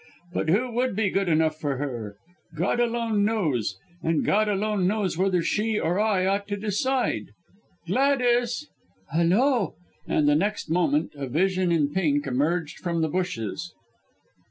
But who would be good enough for her! God alone knows! And God alone knows whether she or I ought to decide! Gladys!" "Hulloa!", and the next moment a vision in pink emerged from the bushes.